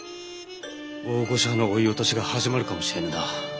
大御所派の追い落としが始まるかもしれぬな。